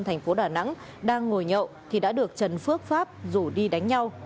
thành phố đà nẵng đang ngồi nhậu thì đã được trần phước pháp rủ đi đánh nhau